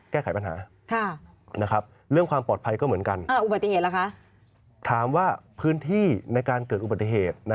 แก้ไขปัญหานะครับเรื่องความปลอดภัยก็เหมือนกันถามว่าพื้นที่ในการเกิดอุบัติเหตุ